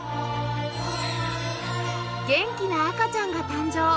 元気な赤ちゃんが誕生